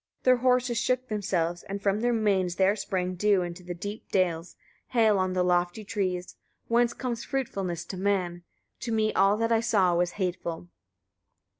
Their horses shook themselves, and from their manes there sprang dew into the deep dales, hail on the lofty trees, whence comes fruitfulness to man. To me all that I saw was hateful.